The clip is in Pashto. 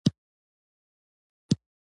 په لټون مې د اوسېدو ځای پیدا کړ.